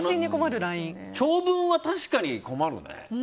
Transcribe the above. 長文は確かに困るね。